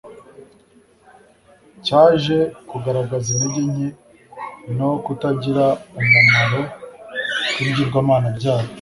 cyaje kugaragaza intege nke no kutagira umumaro kwibigirwamana byabo